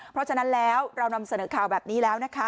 เพราะฉะนั้นแล้วเรานำเสนอข่าวแบบนี้แล้วนะคะ